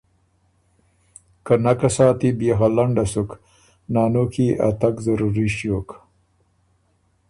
که نکه ساتی بيې خه لنډه سُک نانو کی يې ا تګ ضروري ݭیوک